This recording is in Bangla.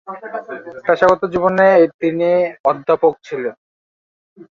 পেশাগত জীবনে তিনি অধ্যাপক ছিলেন।